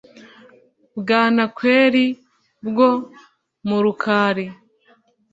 bwanakweli bwo mu rukari